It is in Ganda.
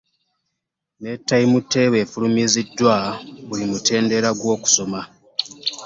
Ne ttayimu ttebo efulumiziddwa ku buli mutendera gw'okusoma.